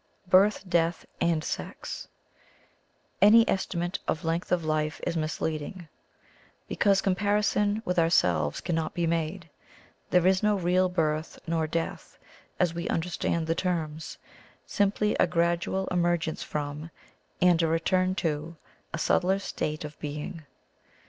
*' Birth, Death, and Sex. — Any estimate of length of life is misleading, because com 179 THE COMING OF THE FAIRIES parison with ourselves cannot be made. There is no real birth nor death, as we un derstand the terms — simply a gradual emer gence from, and a return to, a subtler state of being.